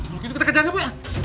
mungkin kita kejalan bu